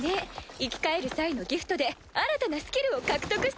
生き返る際のギフトで新たなスキルを獲得したのです！